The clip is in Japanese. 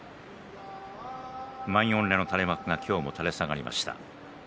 満員御礼の垂れ幕が今日も垂れ下がりました。